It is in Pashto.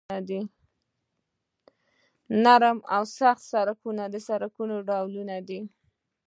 نرم او سخت سرکونه د سرکونو ډولونه دي